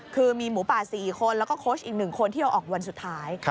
คือมีหมูป่า๔คนแล้วก็โค้ชอีก๑คนที่เอาออกวันสุดท้าย